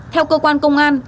theo cơ quan công an